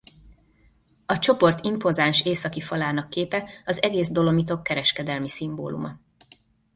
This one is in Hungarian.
A csoport impozáns északi falának képe az egész Dolomitok kereskedelmi szimbóluma.